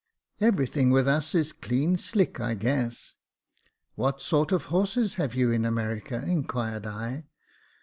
" Every thing with us clean slick, I guess." " What sort of horses have you in America ?" in quired I.